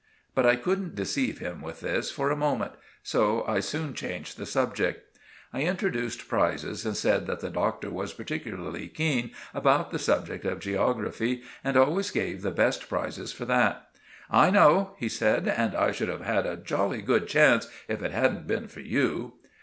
But I couldn't deceive him with this, for a moment; so I soon changed the subject. I introduced prizes and said that the Doctor was particularly keen about the subject of geography and always gave the best prizes for that. "I know," he said, "and I should have had a jolly good chance if it hadn't been for you."